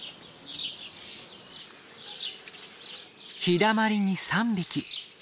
日だまりに３匹。